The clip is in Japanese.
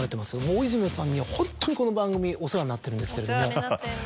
大泉洋さんにはホントにこの番組お世話になってるんですけれども。